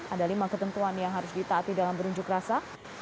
ada lima ketentuan yang harus ditaati dalam berunjuk rasa